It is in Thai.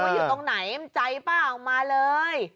เออว่าอยู่ตรงไหนใจเปล่ามาเลย